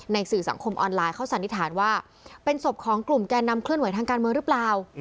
สื่อสังคมออนไลน์เขาสันนิษฐานว่าเป็นศพของกลุ่มแก่นำเคลื่อนไหวทางการเมืองหรือเปล่า